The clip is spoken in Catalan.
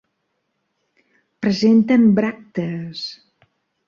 Presenten bràctees.